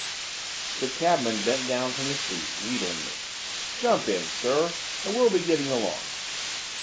The cabman bent down from his seat, wheedling me. 'Jump in, sir, and we'll be getting along.